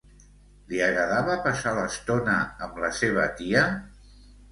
Li agradava passar l'estona amb la seva tia?